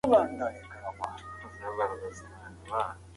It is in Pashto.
کمپيوټر پوهنه د ژوند په هر ډګر کي بدلون راوستی.